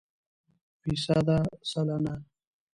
فیصده √ سلنه